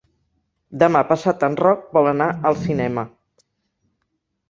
Demà passat en Roc vol anar al cinema.